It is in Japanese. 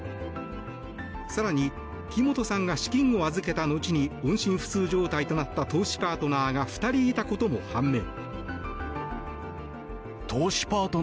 更に木本さんが資金を預けた後に音信不通状態となった投資パートナーが２人いたことも判明。